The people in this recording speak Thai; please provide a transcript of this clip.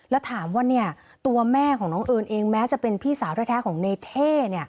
แล้วถามว่าตัวแม่ของน้องเอิญเองแม้จะเป็นพี่สาวแท้ของในเท่